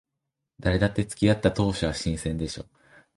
誰だって付き合った当初は新鮮でしょ。